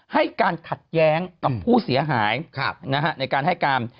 ให้การขัดแย้งกับผู้เสียหายในการให้การ